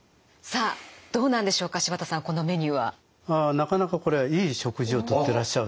なかなかこれはいい食事をとってらっしゃると。